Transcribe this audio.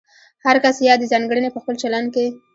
هر کس یادې ځانګړنې په خپل چلند کې